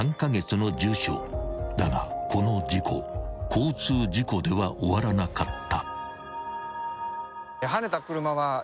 ［だがこの事故交通事故では終わらなかった］